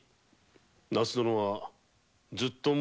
那須殿はずっと無役で？